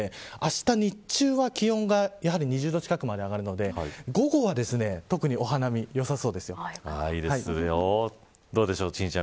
あした日中は気温が２０度近くまで上がるので午後は特にお花見にどうでしょう、心ちゃん。